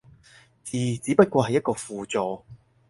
字只不過係一個輔助